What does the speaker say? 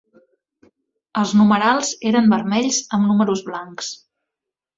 Els numerals eren vermells amb números blancs.